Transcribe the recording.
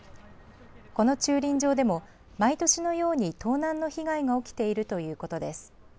この駐輪場でも、毎年のように盗難の被害が起きているということです。